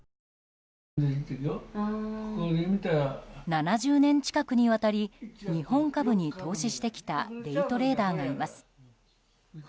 ７０年近くにわたり日本株に投資してきたデイトレーダーがいます。